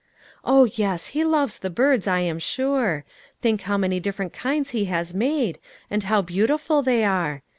" Oh, yes, He loves the birds, I am sure ; think how many different kinds He has made, and how beautiful they are.